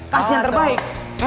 kasih yang terbaik